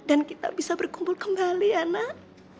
dan kita bisa berkumpul kembali ya nak